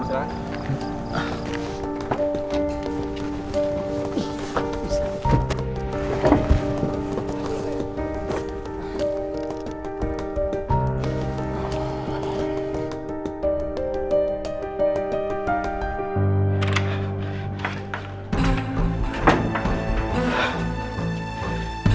oh apahul gini sih